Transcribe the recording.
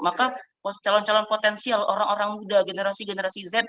maka calon calon potensial orang orang muda generasi generasi z